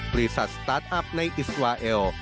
บริษัทสตาร์ทอัพในอิสราเอล